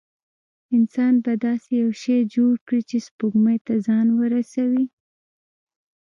انسان به داسې یو شی جوړ کړي چې سپوږمۍ ته ځان ورسوي.